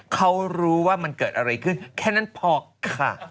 เขารู้ว่ามันเกิดอะไรขึ้นแค่นั้นพอค่ะ